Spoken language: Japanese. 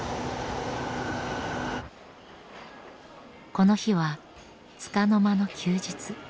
この日はつかの間の休日。